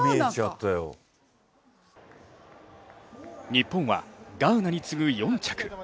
日本はガーナに次ぐ４着。